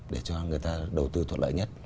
để cho người ta đầu tư thuận lợi nhất